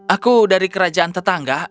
aku dari kerajaan tetangga